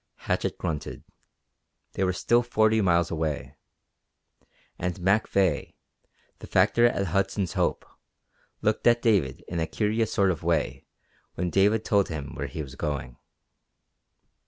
Hatchett grunted. They were still forty miles away. And Mac Veigh, the factor at Hudson's Hope, looked at David in a curious sort of way when David told him where he was going.